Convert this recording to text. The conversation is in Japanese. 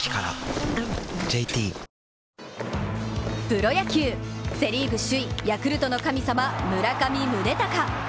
プロ野球、セ・リーグ首位、ヤクルトの神様、村上宗隆。